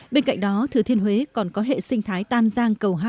bên cạnh đó thừa thiên huế còn có hệ sinh thái tam giang cầu hai